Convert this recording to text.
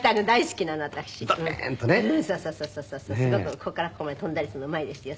すごくここからここまで跳んだりするのうまいですよ。